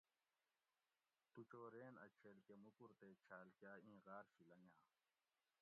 "تو چو رین اَ چھیل کہۤ مُکور تے چھال کاۤ ایں غار شی لنگاۤ"""